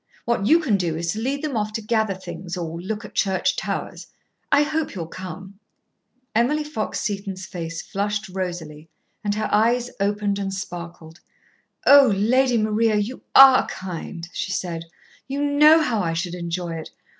What you can do is to lead them off to gather things or look at church towers. I hope you'll come." Emily Fox Seton's face flushed rosily, and her eyes opened and sparkled. "O Lady Maria, you are kind!" she said. "You know how I should enjoy it.